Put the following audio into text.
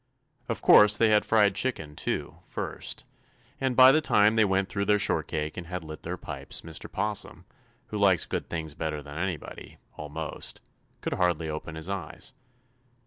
"Of course they had fried chicken, too, first, and by the time they were through their shortcake and had lit their pipes Mr. 'Possum, who likes good things better than anybody, almost, could hardly open his eyes.